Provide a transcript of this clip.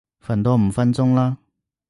瞓多五分鐘啦